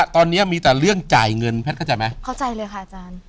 เข้าใจเลยค่ะอาจารย์